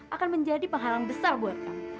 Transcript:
akan menjadi penghalang besar buat kamu